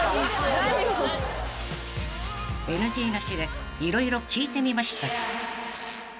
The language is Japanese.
［ＮＧなしで色々聞いてみました］